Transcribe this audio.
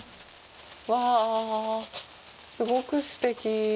うわぁ、すごくすてき！